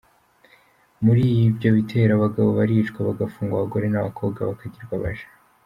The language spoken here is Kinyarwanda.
muri ibyo bitero abagabo baricwa bagafungwa, abagore n’ abakobwa bakagirwa abaja.